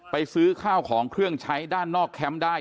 ซื้อข้าวของเครื่องใช้ด้านนอกแคมป์ได้